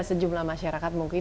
sejumlah masyarakat mungkin